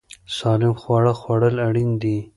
سالم خواړه خوړل اړین دي.